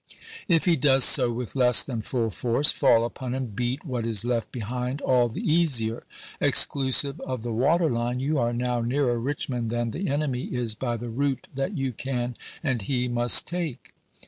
If he does so with less than full force, fall »... upon and beat what is left behind all the easier. Exclusive of the water line, you are now nearer Richmond than the enemy is by the route that you can and he must take.